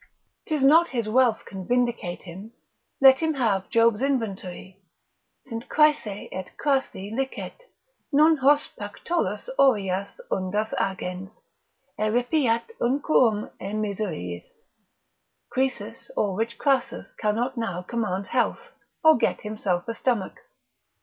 'Tis not his wealth can vindicate him, let him have Job's inventory, sint Craesi et Crassi licet, non hos Pactolus aureas undas agens, eripiat unquum e miseriis, Croesus or rich Crassus cannot now command health, or get himself a stomach.